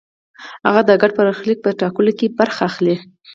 هغه د ګډ برخلیک په ټاکلو کې برخه اخلي.